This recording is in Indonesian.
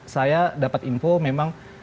saya dapat info memang